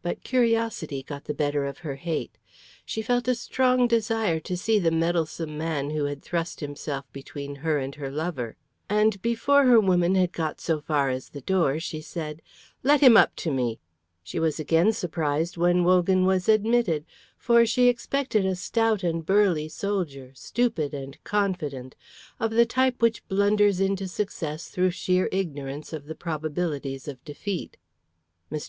But curiosity got the better of her hate. She felt a strong desire to see the meddlesome man who had thrust himself between her and her lover; and before her woman had got so far as the door, she said, "Let him up to me!" She was again surprised when Wogan was admitted, for she expected a stout and burly soldier, stupid and confident, of the type which blunders into success through sheer ignorance of the probabilities of defeat. Mr.